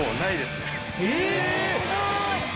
すごい。